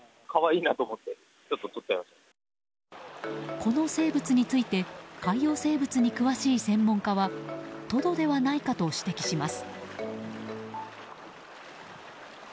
この生物について海洋生物に詳しい専門家はトドではないかと指摘します。